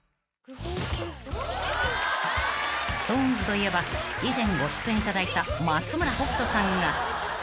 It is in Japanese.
［ＳｉｘＴＯＮＥＳといえば以前ご出演いただいた松村北斗さんが］